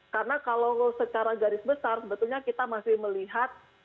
karena kalau secara garis besar sebetulnya kita masih melihat